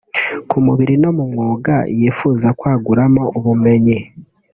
ku mubiri no mu mwuga yifuza kwaguramo ubumenyi